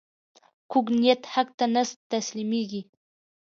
کوږ نیت حق ته نه تسلیمېږي